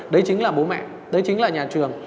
đấy chính là bố mẹ đấy chính là nhà trường